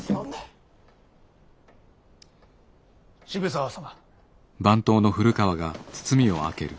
渋沢様。